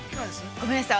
◆ごめんなさい。